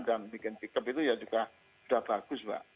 dan bikin pickup itu ya juga sudah bagus mbak